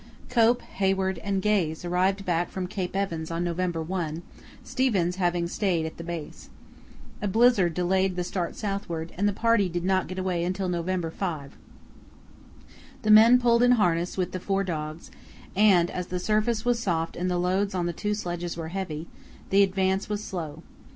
Cope, Hayward, and Gaze arrived back from Cape Evans on November 1, Stevens having stayed at the base. A blizzard delayed the start southward, and the party did not get away until November 5. The men pulled in harness with the four dogs, and, as the surface was soft and the loads on the two sledges were heavy, the advance was slow.